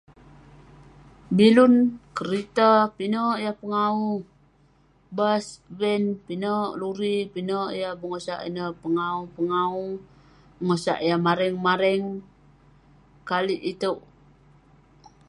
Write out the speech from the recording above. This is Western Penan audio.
Bilun, kerita, pinek yah pengau. Bas, van, pinek luri, pinek pengosak yah ineh. Pengou-pengou. Pengosak yah mareng-mareng. Kalik iteuk.